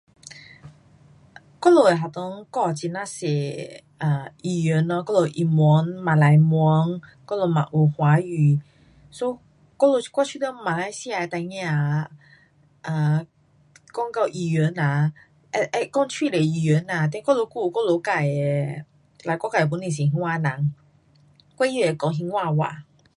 我们的学校教很呀多语言：英文，马来文，我们嘛有华语 so 我觉得我们的儿童讲到语言会讲许多语言，还有我们自己的 like 我自己是兴华人。我也会说新化话。